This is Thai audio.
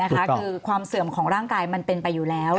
คือความเสื่อมของร่างกายมันเป็นไปอยู่แล้ว